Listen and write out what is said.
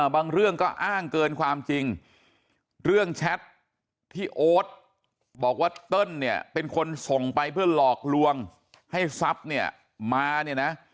บางเรื่องก็อ้างเกินความจริงเรื่องแชทที่โอ๊ตบอกว่าเติ้ลเนี่ยเป็นคนส่งไปเพื่อหลอกลวงให้ทรัพย์เนี่ยมาเนี่ยนะ